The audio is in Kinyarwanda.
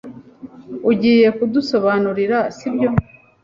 Ugiye kudusobanurira, sibyo?